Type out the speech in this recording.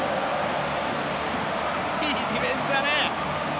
いいディフェンスだね！